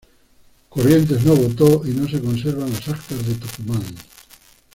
Corrientes no votó y no se conservan las actas de Tucumán.